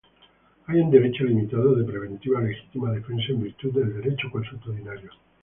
Hay un derecho limitado de preventiva legítima defensa en virtud del derecho consuetudinario.